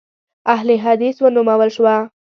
اهل حدیث ونومول شوه.